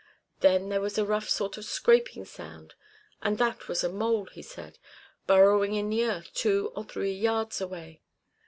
Then there was a rough sort of scraping sound; and that was a mole, he said, burrowing in the earth two or three yards away.